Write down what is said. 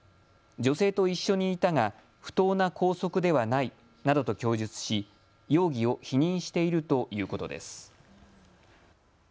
女性と一緒にいたが不当な拘束ではないなどと供述し容疑を否認しているということです。